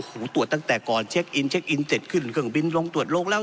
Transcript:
ตรวจตั้งแต่ก่อนเช็คอินเช็คอินเสร็จขึ้นเครื่องบินลงตรวจลงแล้ว